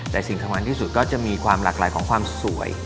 แต่สิ่งสำคัญที่สุดก็จะมีความหลากหลายของความสวย